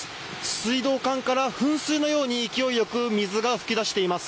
水道管から噴水のように勢いよく水が噴き出しています。